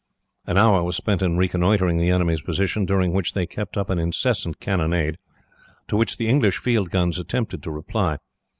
An hour was spent in reconnoitring the enemy's position, during which they kept up an incessant cannonade, to which the English field guns attempted no reply.